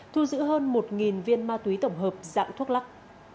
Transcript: thu giữ hơn một viên ma túy tổng hợp dạng thuốc lắc